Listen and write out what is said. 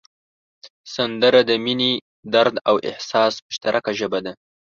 سندره د مینې، درد او احساس مشترکه ژبه ده